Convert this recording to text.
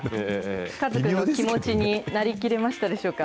カズくんの気持ちになりきれましたでしょうか。